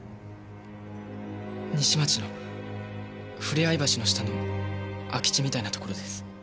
西町のふれあい橋の下の空き地みたいなところです。